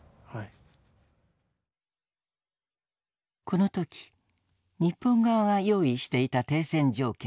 この時日本側が用意していた停戦条件。